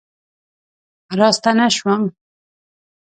راستنه شوم